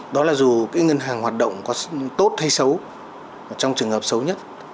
đó là dù cái ngân hàng hoạt động có tốt hay xấu trong trường hợp xấu nhất